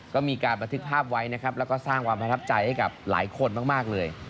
ก็มีการบันทึกภาพไว้นะครับแล้วก็สร้างความประทับใจให้กับหลายคนมากเลย